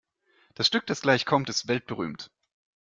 Das Stück, das gleich kommt, ist weltberühmt.